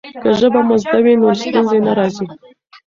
که ژبه مو زده وي نو ستونزې نه راځي.